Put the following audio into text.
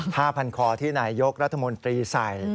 ผ้าพันคอที่นายยกรัฐมนตรีใส่